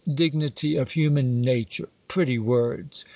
Dignity of human nature ! Pretty v/ords